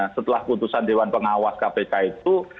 setelah putusan dewan pengawas kpk itu